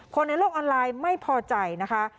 ในโลกออนไลน์ไม่พอใจนะคะ